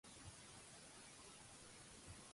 Les llenties es mengen un cop i es caguen vuit dies.